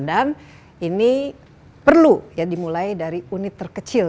dan ini perlu dimulai dari unit terkecil